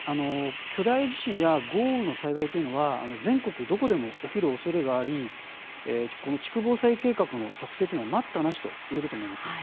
巨大地震や豪雨の災害というのは全国どこでも起きるおそれがありこの地区防災計画の作成というのは待ったなしと言えると思います。